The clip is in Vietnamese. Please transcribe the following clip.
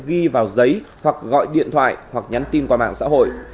ghi vào giấy hoặc gọi điện thoại hoặc nhắn tin qua mạng xã hội